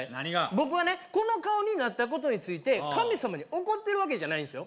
僕はこの顔になったことについて神様に怒ってるわけじゃないんですよ